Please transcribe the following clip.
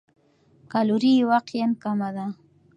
کالوري یې واقعاً کمه ده.